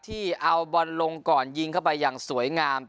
ที่เอาบอลลงก่อนยิงเข้าไปอย่างสวยงาม